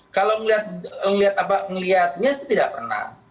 kalau ngelihat apa ngelihatnya sih tidak pernah